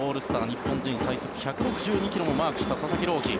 日本人最速１６２ｋｍもマークした佐々木朗希。